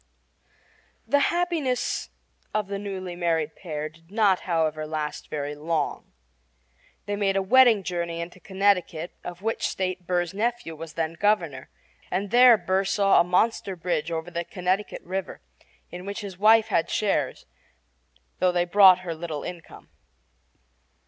The happiness of the newly married pair did not, however, last very long. They made a wedding journey into Connecticut, of which state Burr's nephew was then Governor, and there Burr saw a monster bridge over the Connecticut River, in which his wife had shares, though they brought her little income.